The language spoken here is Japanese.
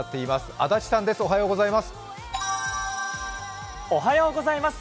安達さんです、おはようございます。